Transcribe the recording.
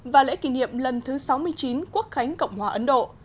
và lễ kỷ niệm lần thứ sáu mươi chín quốc khánh cộng hòa ấn độ